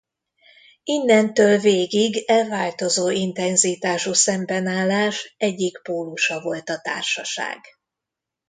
Innentől végig e változó intenzitású szembenállás egyik pólusa volt a társaság.